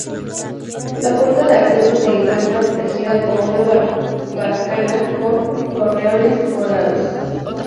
La puerta de acceso se encuentra protegida por una barbacana con torreones cuadrados.